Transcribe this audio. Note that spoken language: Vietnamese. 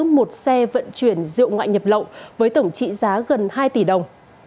một xe vận chuyển rượu ngoại nhập lậu với tổng trị giá gần hai tỷ đồng